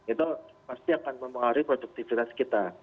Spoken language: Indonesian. itu pasti akan mempengaruhi produktivitas kita